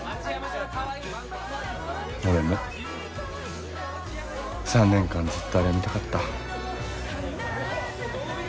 俺も３年間ずっとあれが見たかった。